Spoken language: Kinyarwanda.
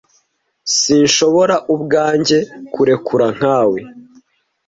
sinshobora ubwanjye kurekura nkawe